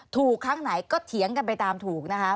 ครั้งไหนก็เถียงกันไปตามถูกนะคะ